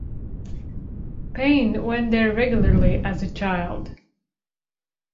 Payne went there regularly as a child.